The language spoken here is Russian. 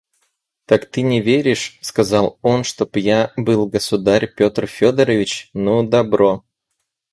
«Так ты не веришь, – сказал он, – чтоб я был государь Петр Федорович? Ну, добро.